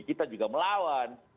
kita juga melawan